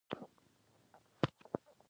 آیا حکیمان لا هم ناروغان ګوري؟